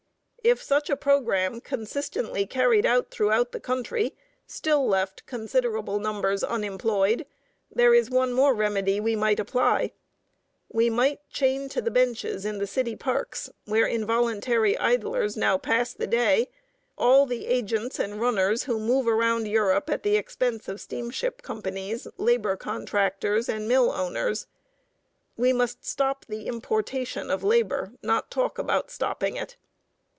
If such a programme, consistently carried out throughout the country, still left considerable numbers unemployed, there is one more remedy we might apply. We might chain to the benches in the city parks, where involuntary idlers now pass the day, all the agents and runners who move around Europe at the expense of steamship companies, labor contractors, and mill owners. We must stop the importation of labor, not talk about stopping it.